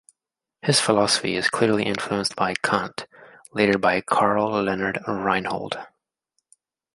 His philosophy is clearly influenced by Kant, later by Karl Leonhard Reinhold.